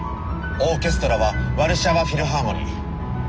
オーケストラはワルシャワ・フィルハーモニー。